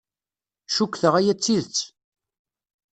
Cukkteɣ aya d tidet.